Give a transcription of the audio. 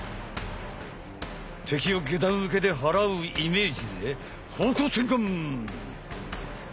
敵を下段受けで払うイメージで方向転換！